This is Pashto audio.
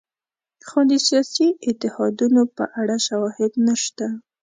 خو د سیاسي اتحادونو په اړه شواهد نشته.